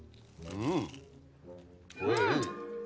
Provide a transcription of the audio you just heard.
うん！